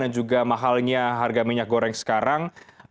dan juga mahalnya harga minyak goreng sekarang